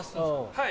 はい。